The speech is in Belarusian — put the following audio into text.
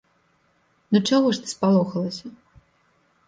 Ну, чаго ж ты спалохалася?